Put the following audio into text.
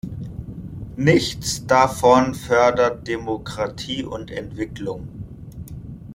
Nichts davon fördert Demokratie und Entwicklung.